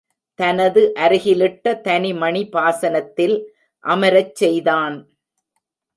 தனது அருகிலிட்ட தனி மணி பாசனத்தில் அமரச் செய்தான்.